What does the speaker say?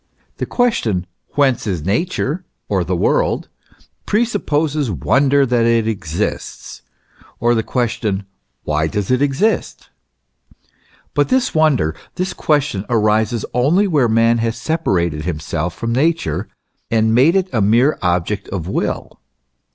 The question, Whence is Nature or the world ? presupposes wonder that it exists, or the question, Why does it exist ? But this wonder, this question, arises only where man has separated himself from Nature and made it a mere object of will.